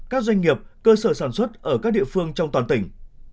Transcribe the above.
các doanh nghiệp cơ sở sản xuất ở các địa phương trong toàn tỉnh